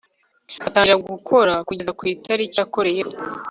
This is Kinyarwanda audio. atangira gukora kugeza ku itariki yakoreyeho